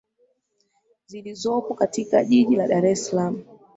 zilizopo katika Jiji la Dar es Salaam